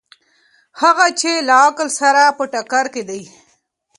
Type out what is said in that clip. هغه چې له عقل سره په ټکر کې دي.